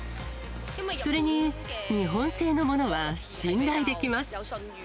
それに日本製のものは信頼できます。